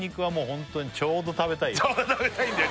ちょうど食べたいんだよ